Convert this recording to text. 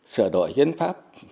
sửa đổi hiến pháp